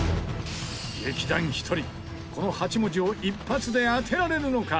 劇団ひとりこの８文字を一発で当てられるのか？